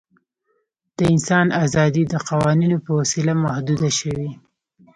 د انسان آزادي د قوانینو په وسیله محدوده شوې.